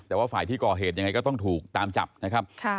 แต่ว่าฝ่ายที่ก่อเหตุยังไงก็ต้องถูกตามจับนะครับ